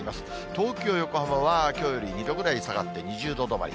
東京、横浜は、きょうより２度ぐらい下がって２０度どまり。